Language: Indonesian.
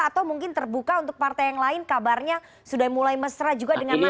atau mungkin terbuka untuk partai yang lain kabarnya sudah mulai mesra juga dengan nasdem